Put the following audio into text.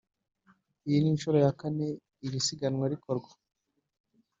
Iyi ni inshuro ya kane iri siganwa rikorwa